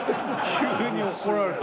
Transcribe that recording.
急に怒られた。